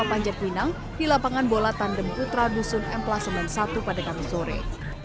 di panjat pinang di lapangan bola tandem putra gusun m satu ratus sembilan puluh satu pada kamis sore